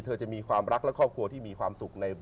จะมีความรักและครอบครัวที่มีความสุขใน